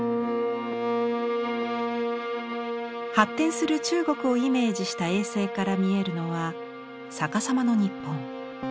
発展する中国をイメージした衛星から見えるのは逆さまの日本。